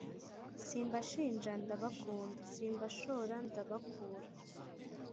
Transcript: Simbashinja ndabakunda simbashora ndabakura